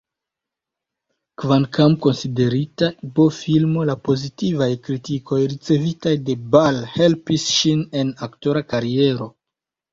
Kvankam konsiderita B-filmo, la pozitivaj kritikoj ricevitaj de Ball helpis ŝin en aktora kariero.